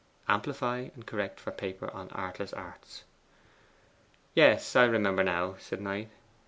(Amplify and correct for paper on Artless Arts.)' 'Yes, I remember now,' said Knight.